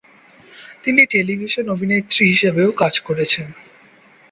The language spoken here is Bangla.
তিনি টেলিভিশন অভিনেত্রী হিসেবেও কাজ করেছেন।